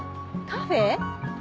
カフェ？